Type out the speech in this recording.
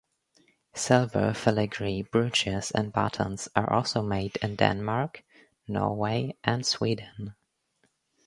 Silver filigree brooches and buttons are also made in Denmark, Norway, and Sweden.